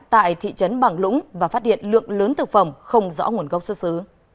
tại thị trấn bằng lũng và phát hiện lượng lớn thực phẩm không rõ nguồn gốc xuất xứ